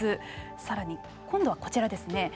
さらに今度はこちらですね。